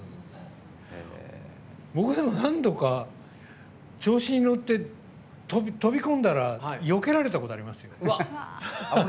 僕、何度か調子に乗って飛び込んだらよけられたこと、ありますよ。